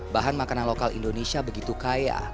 bahan makanan lokal indonesia begitu kaya